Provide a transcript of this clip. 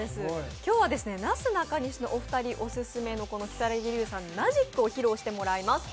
今日はなすなかにしのお二人オススメの如月さんにマジックを披露してもらいます。